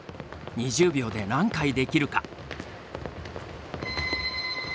２０秒で何回できるか？